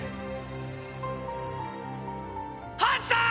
ハンジさん！！